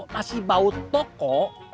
masih bau toko